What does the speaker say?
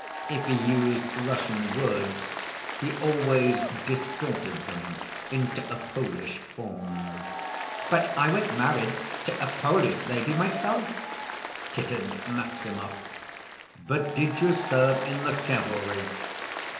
If he used Russian words, he always distorted them into a Polish form. "But I was married to a Polish lady myself," tittered Maximov. "But did you serve in the cavalry?